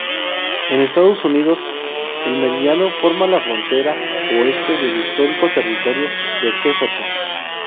En Estados Unidos, el meridiano forma la frontera oeste del histórico Territorio de Jefferson.